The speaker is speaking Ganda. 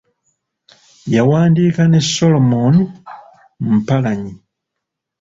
Yawandiika ne Solomom Mpalanyi.